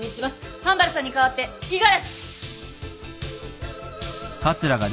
半原さんに代わって五十嵐！